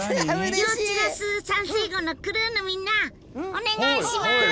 ギョーチラス三世号のクルーのみんなお願いします！